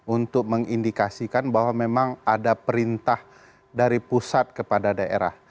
untuk mengindikasikan bahwa memang ada perintah dari pusat kepada daerah